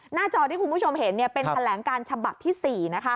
จอที่คุณผู้ชมเห็นเป็นแถลงการฉบับที่๔นะคะ